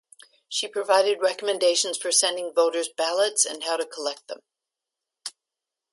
She provided recommendations for sending voters ballots and how to collect them.